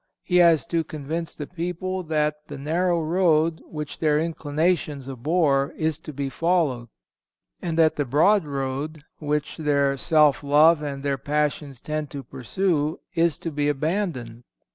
He has to convince the people that the narrow road, which their inclinations abhor, is to be followed; and that the broad road, which their self love and their passions tend to pursue, is to be abandoned.